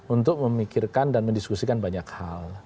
untuk memikirkan dan mendiskusikan banyak hal